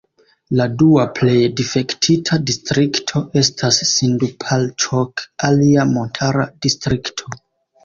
La dua plej difektita distrikto estas Sindupalĉok, alia montara distrikto.